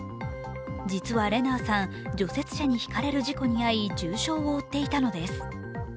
実はレナーさん、除雪車にひかれる事故に遭い重傷を負っていたのです。